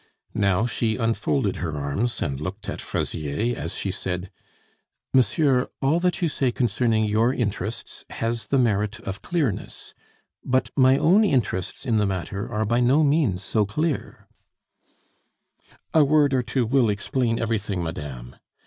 Now she unfolded her arms, and looked at Fraisier as she said, "Monsieur, all that you say concerning your interests has the merit of clearness; but my own interests in the matter are by no means so clear " "A word or two will explain everything, madame.